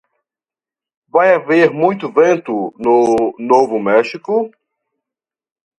Vai haver muito vento no Novo México?